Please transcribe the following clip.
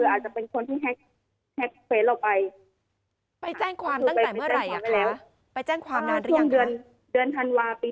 อาจจะเป็นคนที่แฮคเพสบุ๊คโดนเราไป